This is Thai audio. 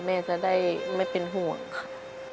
แม่จะได้ไม่เป็นห่วงค่ะ